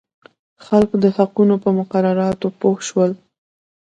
خلک د حقوقو په مقرراتو پوه شول.